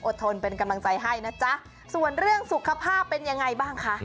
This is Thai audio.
ทนเป็นกำลังใจให้นะจ๊ะส่วนเรื่องสุขภาพเป็นยังไงบ้างคะ